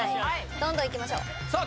どんどんいきましょうさあ